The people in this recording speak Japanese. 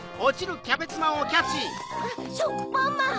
しょくぱんまん！